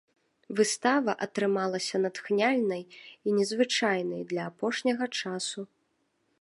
Выстава атрымалася натхняльнай і незвычайнай для апошняга часу.